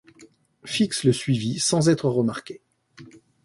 Fix le suivit sans être remarqué.